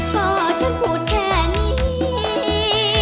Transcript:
ก็ฉันพูดแค่นี้